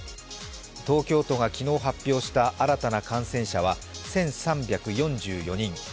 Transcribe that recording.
東京都が昨日発表した新たな感染者は１３４４人。